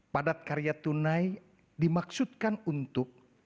padat karya tunai dimaksudkan untuk